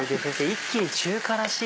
一気に中華らしい